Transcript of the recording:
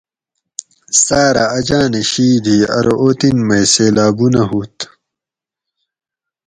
ساۤرہ اجانہ شید ھی ارو اوطن مئ سلیلابونہ ھوت